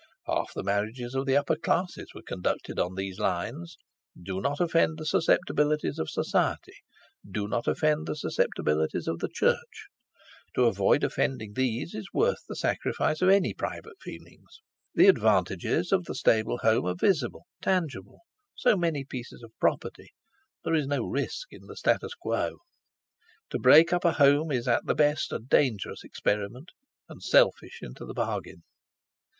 Half the marriages of the upper classes were conducted on these lines: Do not offend the susceptibilities of Society; do not offend the susceptibilities of the Church. To avoid offending these is worth the sacrifice of any private feelings. The advantages of the stable home are visible, tangible, so many pieces of property; there is no risk in the statu quo. To break up a home is at the best a dangerous experiment, and selfish into the bargain.